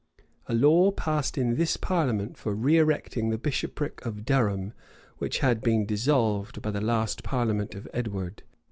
[] A law passed in this parliament for reërecting the bishopric of Durham, which had been dissolved by the last parliament of Edward.